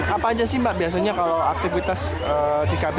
apa aja sih mbak biasanya kalau aktivitas di kb